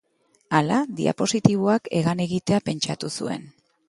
Hala, dispositiboak hegan egitea pentsatu zuen.